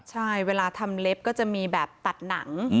ใช่เวลาทำเล็บก็จะมีแบบตัดหนัง